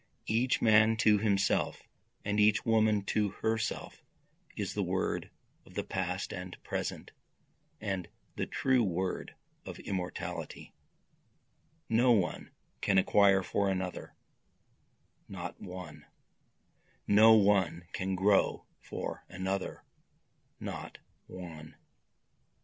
Each man to himself and each woman to herself, is the word of the past and present, and the true word of immortality; No one can acquire for another not one, Not one can grow for another not one.